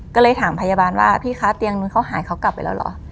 ก็เลยถามพยาบาลว่าพี่คะเตียงนึงเขาหายเขากลับไปแล้วเหรอ